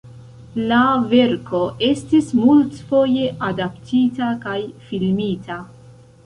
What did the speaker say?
La verko estis multfoje adaptita kaj filmita.